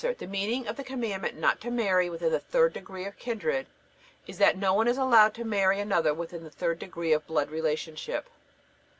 The meaning of the commandment not to marry within the third degree of kindred is that no one is allowed to marry another within the third degree of blood relationship.